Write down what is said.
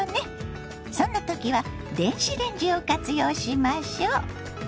そんな時は電子レンジを活用しましょ。